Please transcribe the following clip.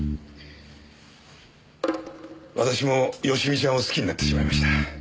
私も佳美ちゃんを好きになってしまいました。